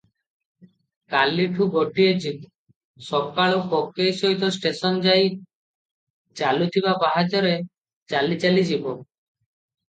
କାଲିଠୁ ଗୋଟିଏ ଜିଦ, ସକାଳୁ କକେଇ ସହିତ ଷ୍ଟେସନ ଯାଇ ଚାଲୁଥିବା ପାହାଚରେ ଚାଲି ଚାଲି ଯିବ